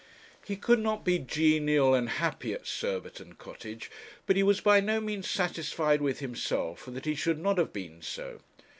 He could not be genial and happy at Surbiton Cottage; but he was by no means satisfied with himself that he should not have been so.